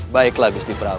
baiklah gusti prabu